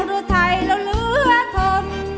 ดูไทยแล้วเหลือทน